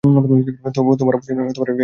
তো তোমার আপনজনেরা এখানে থাকে?